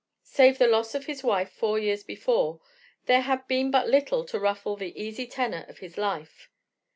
Save the loss of his wife four years before, there had been but little to ruffle the easy tenor of his life.